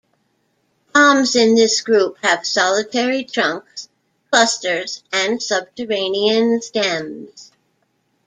Palms in this group have solitary trunks, clusters, and subterranean stems.